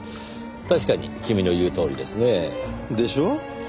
確かに君の言うとおりですね。でしょう？